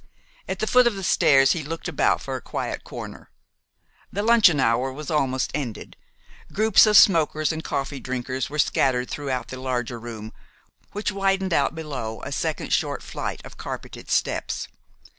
At the foot of the stairs he looked about for a quiet corner. The luncheon hour was almost ended. Groups of smokers and coffee drinkers were scattered throughout the larger room, which widened out below a second short flight of carpeted steps.